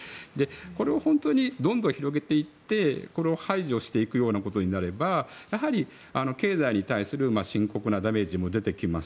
これを本当にどんどん広げていってこれを排除していくことになれば経済に対する深刻なダメージも出てきます。